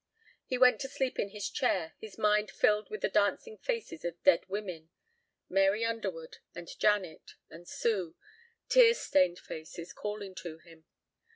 He went to sleep in his chair, his mind filled with the dancing faces of dead women, Mary Underwood and Janet and Sue, tear stained faces calling to him.